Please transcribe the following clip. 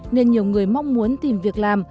nên nhiều người mong muốn tìm việc làm